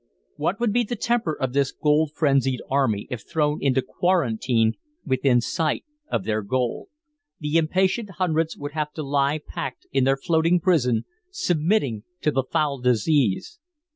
What would be the temper of this gold frenzied army if thrown into quarantine within sight of their goal? The impatient hundreds would have to lie packed in their floating prison, submitting to the foul disease.